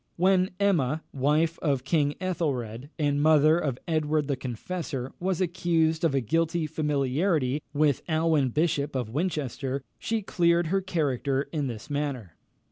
When Emma, the wife of King Ethelred, and mother of Edward the Confessor, was accused of a guilty familiarity with Alwyn Bishop of Winchester, she cleared her character in this manner.